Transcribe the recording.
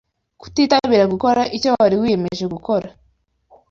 Kutitabira gukora icyo wari wiyemeje gukora.